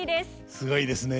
すごいですね。